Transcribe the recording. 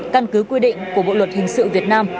căn cứ quy định của bộ luật hình sự việt nam